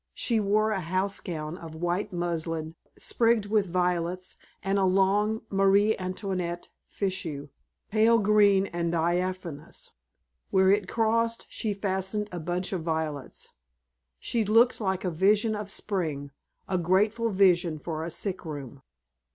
She wore a house gown of white muslin sprigged with violets, and a long Marie Antoinette fichu, pale green and diaphanous. Where it crossed she fastened a bunch of violets. She looked like a vision of spring, a grateful vision for a sick room.